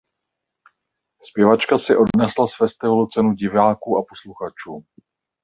Zpěvačka si odnesla z festivalu Cenu diváků a posluchačů.